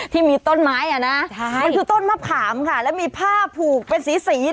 ที่มีต้นไม้อ่ะนะมันคือต้นมะขามค่ะแล้วมีผ้าผูกเป็นสีสี